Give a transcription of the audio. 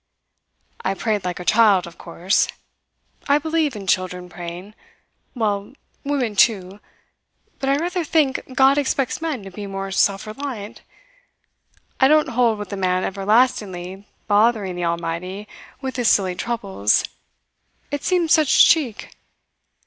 "I prayed like a child, of course. I believe in children praying well, women, too, but I rather think God expects men to be more self reliant. I don't hold with a man everlastingly bothering the Almighty with his silly troubles. It seems such cheek.